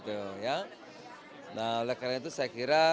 nah oleh karena itu saya kira